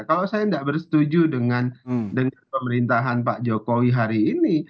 kalau saya tidak bersetuju dengan pemerintahan pak jokowi hari ini